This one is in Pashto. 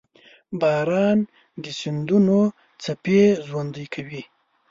• باران د سیندونو څپې ژوندۍ کوي.